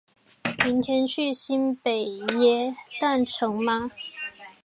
明天去新北耶诞城吗？